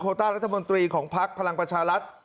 ต้ารัฐมนตรีของพักพลังประชารัฐ